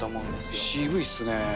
あっ、渋いっすね。